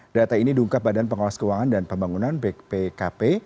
data ini diungkap badan pengawas keuangan dan pembangunan bpkp